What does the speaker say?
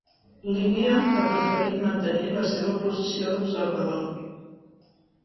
Líbia ha preferit mantenir la seva posició d'observador.